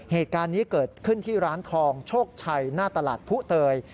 เหตุการณ์นี้เกิดขึ้นที่ร้านทองโชคชัยหน้าตลาดผู้เตย